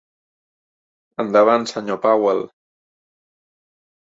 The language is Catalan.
Endavant, senyor Powell.